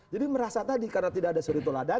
jadi merasa tadi karena tidak ada suri toladan